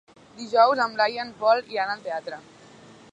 Dijous en Blai i en Pol iran al teatre.